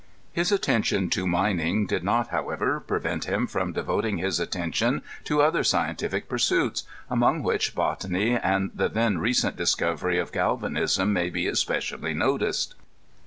His attention to mining did not, however, prevent him from devoting his attention to oth er scientific pursuits, among which botany and the then re cent discovery of galvanism may be especially noticed.